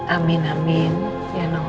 amin amin ya noh